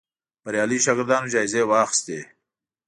بریالیو شاګردانو جایزې واخیستې